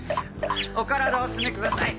お体お詰めください。